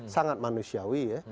sangat manusiawi ya